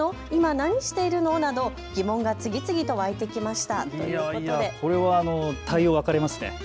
今何しているの？など疑問が次々と湧いてきました。